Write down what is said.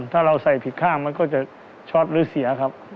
ถ้าเราใส่ผิดข้างมันก็จะช็อตหรือเสียครับ